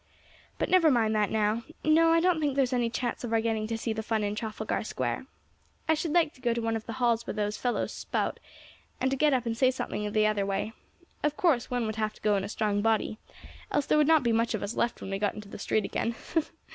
But never mind that now. No, I don't think there is any chance of our getting to see the fun in Trafalgar Square. I should like to go to one of the halls where those fellows spout, and to get up and say something the other way. Of course one would have to go in a strong body, else there would not be much of us left when we got into the street again.